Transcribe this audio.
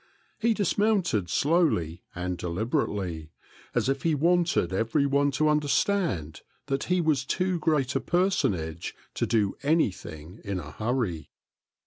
He dismounted slowly and deliberately, as if he wanted every one to understand that he was too great a personage to do anything in a hurry.